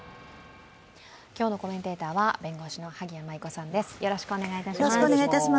今日のコメンテーターは弁護士の萩谷麻衣子さんです。